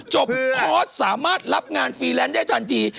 คอร์สสามารถรับงานฟรีแลนซ์ได้ทันที